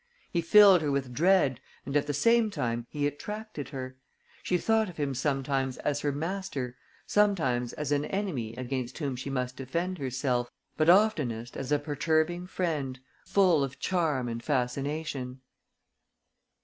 He filled her with dread and at the same time he attracted her. She thought of him sometimes as her master, sometimes as an enemy against whom she must defend herself, but oftenest as a perturbing friend, full of charm and fascination....